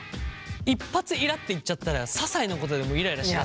一発イラっていっちゃったらささいなことでもイライラしちゃう。